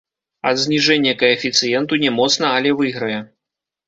Ад зніжэння каэфіцыенту не моцна, але выйграе.